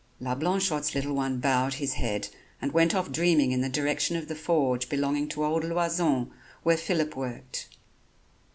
La Blanchotte's little one bowed his head and went off dreaming in the direction of the forge belonging to old Loizon, where Phillip worked.